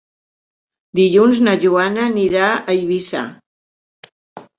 Dilluns na Joana anirà a Eivissa.